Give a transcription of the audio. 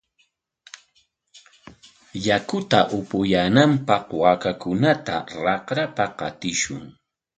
Yakuta apuyaananpaq waakakunata raqrapa qatishun.